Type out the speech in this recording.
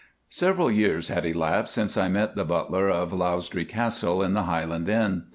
Several years had elapsed since I met the butler of Lausdree Castle in the Highland Inn.